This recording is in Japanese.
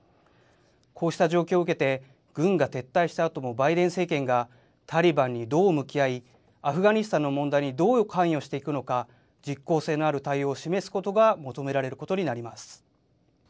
こうした状況を受けて、軍が撤退したあともバイデン政権が、タリバンにどう向き合い、アフガニスタンの問題にどう関与していくのか、実効性のある対応を示すことが求められることになります。